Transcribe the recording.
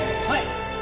はい！